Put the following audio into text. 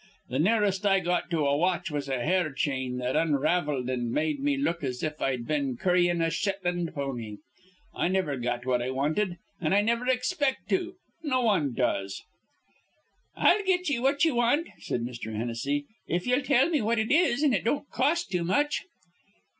Th' nearest I got to a watch was a hair chain that unravelled, an' made me look as if I'd been curryin' a Shetland pony. I niver got what I wanted, an I niver expect to. No wan does." "I'll get ye what ye want," said Mr. Hennessy, "if ye'll tell me what it is, an' it don't cost too much."